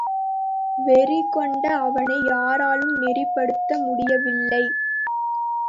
வெறி கொண்ட அவனை யாராலும் நெறிப்படுத்த முடிய வில்லை.